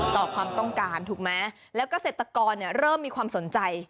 ต่อความต้องการถูกมั้ยแล้วก็เศรษฐกรเริ่มมีความสนใจ